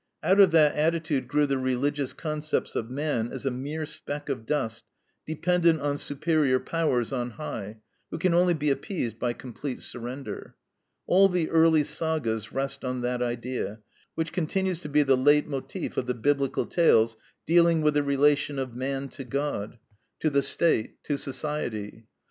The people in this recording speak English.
Out of that attitude grew the religious concepts of man as a mere speck of dust dependent on superior powers on high, who can only be appeased by complete surrender. All the early sagas rest on that idea, which continues to be the LEIT MOTIF of the biblical tales dealing with the relation of man to God, to the State, to society.